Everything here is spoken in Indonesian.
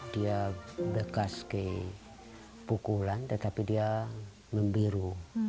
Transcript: dia bekas ke pukulan tetapi dia membiru